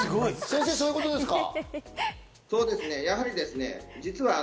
先生、そういうことですか？